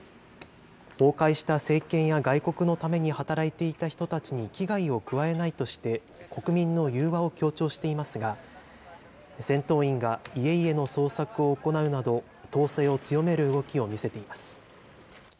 崩壊した政権や外国のために働いていた人たちに危害を加えないとして、国民の融和を強調していますが、戦闘員が家々の捜索を行うなど、統制を強める動きを見せています。